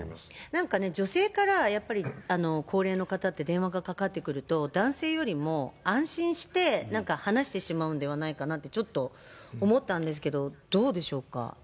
なんかね、女性からやっぱり、高齢の方って電話がかかってくると、男性よりも安心してなんか話してしまうんではないかなって、ちょっと思ったんですけど、どうでしょうか。